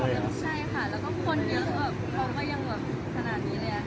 ตอนนี้กำหนังไปคุยของผู้สาวว่ามีคนละตบ